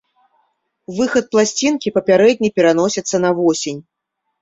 Выхад пласцінкі папярэдне пераносіцца на восень.